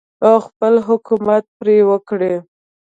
او خپل حکومت پرې وکړي.